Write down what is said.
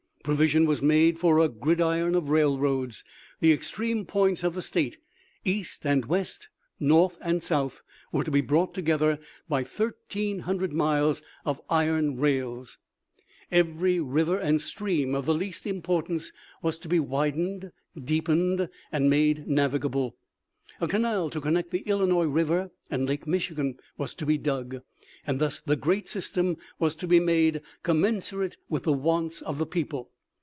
Provision was made for a gridiron of railroads. The extreme points of the State, east and west, north and south, were to be brought together by thirteen hundred miles of iron 176 THE LIFE OF LINCOLN. rails. Every river and stream of the least impor tance was to be widened, deepened, and. made navigable. A canal to connect the Illinois River and Lake Michigan was to be dug, and thus the great system was to be made "commensurate with the wants of the people."